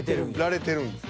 られてるんです。